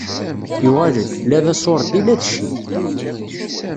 Yuɣal-d, la d aṣuṛdi, la d cci.